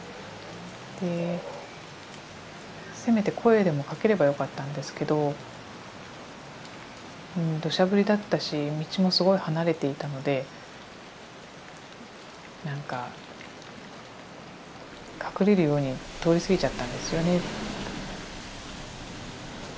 でせめて声でもかければよかったんですけど土砂降りだったし道もすごい離れていたのでなんか隠れるように通り過ぎちゃったんですよね。